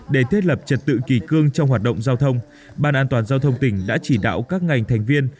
để thiết lập trật tự kỳ cương trong hoạt động giao thông ban an toàn giao thông tỉnh đã chỉ đạo các ngành thành viên